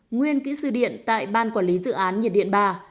nguyên kỹ sư điện tại ban quản lý dự án nhiệt điện ba